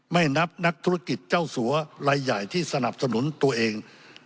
ไม่นับนักธุรกิจเจ้าสัวลายใหญ่ที่สนับสนุนตัวเอง